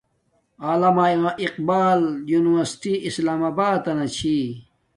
علامہ اقبال یونی ورسٹی اسلام آباتنا چھی